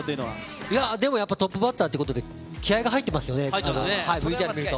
トップバッターということで、気合いが入っていますよね、ＶＴＲを見ると。